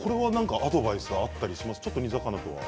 アドバイスあったりしますか？